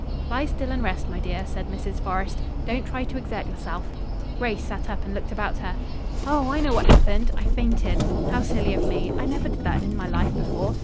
"Lie still and rest, my dear," said Mrs. Forrest, "Don't try to exert yourself." Grace sat up and looked about her. "Oh, I know what happened. I fainted. How silly of me. I never did that in my life before.